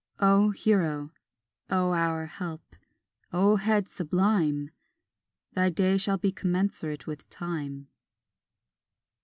O hero, O our help, O head sublime, Thy day shall be commensurate with time.